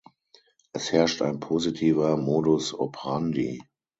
Es herrscht ein positiver Modus operandi.